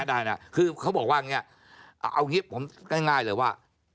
โดยง่ายเลยว่า